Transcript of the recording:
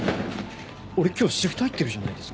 俺今日シフト入ってるじゃないですか。